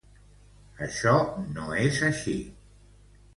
Això no és així.